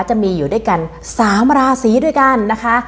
จะมีอยู่ด้วยกัน๓ราศีด้วยกันนะคะ